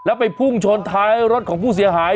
แล้วไปพุ่งชนท้ายรถของผู้เสียหาย